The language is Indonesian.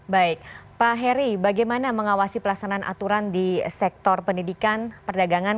baik pak heri bagaimana mengawasi pelaksanaan aturan di sektor pendidikan perdagangan